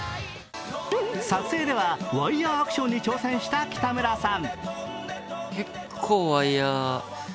撮影ではワイヤーアクションに挑戦した北村さん。